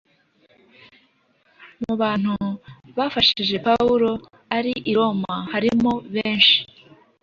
Mu bantu bafashije Pawulo ari i Roma harimo benshi